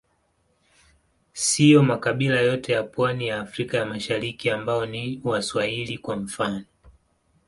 Siyo makabila yote ya pwani ya Afrika ya Mashariki ambao ni Waswahili, kwa mfano.